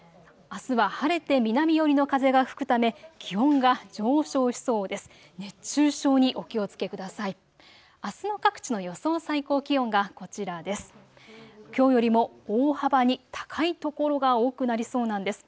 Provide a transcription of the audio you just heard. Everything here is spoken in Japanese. あすは晴れて南寄りの風が吹くため気温が上昇しそうです。